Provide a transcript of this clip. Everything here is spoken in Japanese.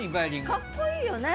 かっこいいよね。